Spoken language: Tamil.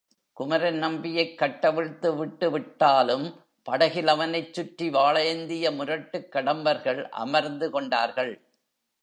குமரன் நம்பியைக் கட்டவிழ்த்து விட்டு விட்டாலும் படகில் அவனைச் சுற்றி வாளேந்திய முரட்டுக் கடம்பர்கள் அமர்ந்து கொண்டார்கள்.